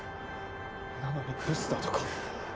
なのにブスだとか。